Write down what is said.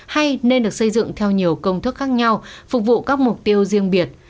hay nên được xây dựng theo nhiều công thức khác nhau phục vụ các mục tiêu riêng biệt